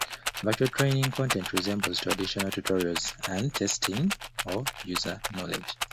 Virtual training content resembles traditional tutorials and testing of user knowledge.